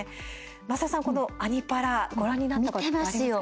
増田さん、この「アニ×パラ」ご覧になったことありますか。